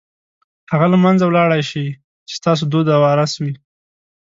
هغه له منځه وړلای شئ چې ستاسو دود او ارث وي.